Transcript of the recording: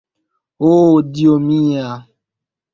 Ohh, dio mia!